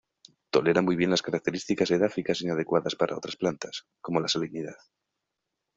Tolera muy bien las características edáficas inadecuadas para otras plantas, como la salinidad.